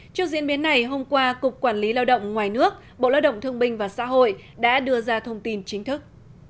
trước diễn biến này hôm qua cục quản lý lao động ngoài nước bộ lao động thương binh và xã hội đã đưa ra thông tin chính thức